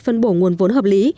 phân bổ nguồn vốn hợp lý